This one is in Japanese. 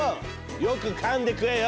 よくかんで食えよ！